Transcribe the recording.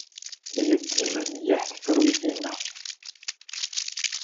Tgezzem mliḥ tefrut-inna.